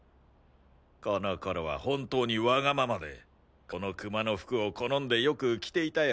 この頃は本当にわがままでこのクマの服を好んでよく着ていたよ。